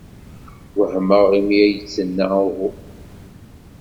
Wehmeɣ imi ay d-tenna uhu.